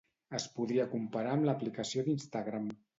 Es podria comparar amb l’aplicació d’Instagram.